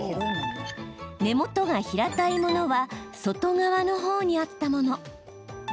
根元が平たいものは外側のほうにあったもの。